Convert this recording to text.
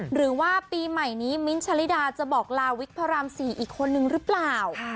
หรือว่าปีใหม่นี้มิ้นท์ชะลิดาจะบอกลาวิกพระราม๔อีกคนนึงหรือเปล่า